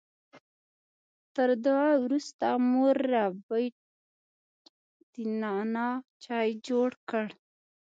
تر دعا وروسته مور ربیټ د نعنا چای جوړ کړ